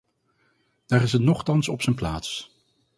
Daar is het nochtans op zijn plaats.